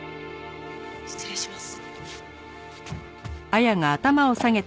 失礼します。